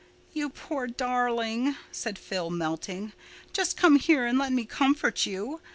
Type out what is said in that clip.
"You poor darling," said Phil, melting. "Just come here and let me comfort you.